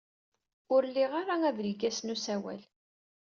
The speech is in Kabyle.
Ur liɣ ara adelgas n usawal.